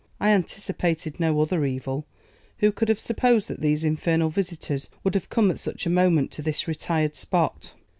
I anticipated no other evil. Who could have supposed that these infernal visitors would have come at such a moment to this retired spot?